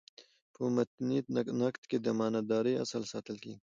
په متني نقد کي د امانت دارۍاصل ساتل کیږي.